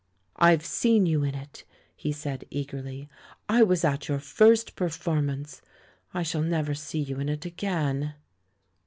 "I've seen you in it," he said eagerly. "I was at your first performance. I shall never see you in it again."